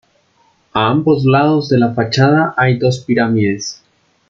A ambos lados de la fachada hay dos pirámides.